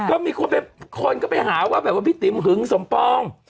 ก็มีคนก็ไปหาว่าแบบว่าพี่ติ๋มหึงสมปอง